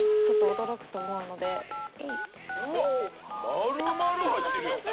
丸々入ってるやん！